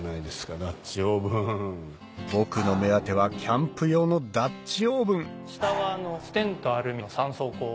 僕の目当てはキャンプ用のダッチオーブンあっ